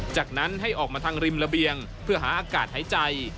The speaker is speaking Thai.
จากนั้นให้ออกมาทางริมระเบียงเพื่อหาอากาศหายใจ